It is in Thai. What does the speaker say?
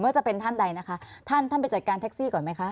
จะเป็นท่านใดนะคะท่านท่านไปจัดการแท็กซี่ก่อนไหมคะ